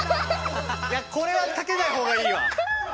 いやこれはかけない方がいいわ。